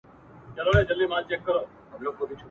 زه به درځم چي انار پاخه وي ..